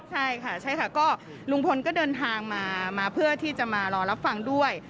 ใช่ค่ะใช่ค่ะก็ลุงพลก็เดินทางมาเพื่อที่จะมารอรับฟังด้วย